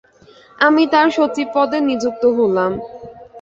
আমি তার সচিব পদে নিযুক্ত হলাম।